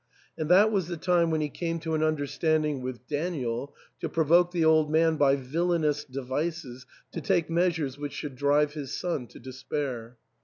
And that was the time when he came to an understand ing with Daniel, to provoke the old man by villainous devices to take measures which should drive his son to despair.